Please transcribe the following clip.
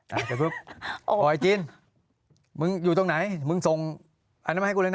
นะเดี๋ยวปุ๊บโอ้ยจินมึงอยู่ตรงไหนมึงส่งอันนั้นมาให้กูเลยนะ